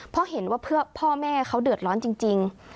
เพราะเห็นว่าพ่อแม่เขาเดือดร้อนจริง